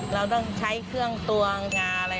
เราต้องใช้เครื่องตัวงาอะไร